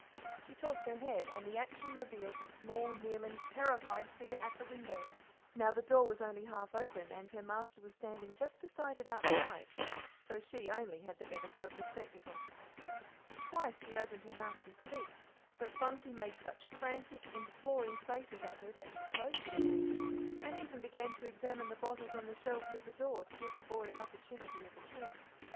She tossed her head, and the action revealed the small, kneeling, terrified figure at the window. Now the door was only half open, and her master was standing just beside it outside, so she only had the benefit of the spectacle. Twice she opened her mouth to speak, but Bunty made such frantic, imploring faces at her than she closed it again, and even began to examine the bottles on the shelf near the door to give the boy an opportunity of retreat.